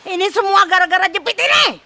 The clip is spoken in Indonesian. ini semua gara gara jepit ini